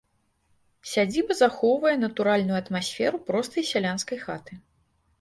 Сядзіба захоўвае натуральную атмасферу простай сялянскай хаты.